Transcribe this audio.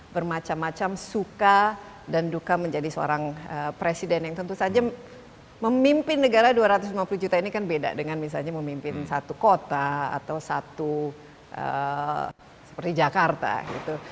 bermacam macam suka dan duka menjadi seorang presiden yang tentu saja memimpin negara dua ratus lima puluh juta ini kan beda dengan misalnya memimpin satu kota atau satu seperti jakarta gitu